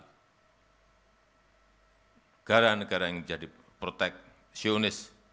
negara negara yang jadi proteksionis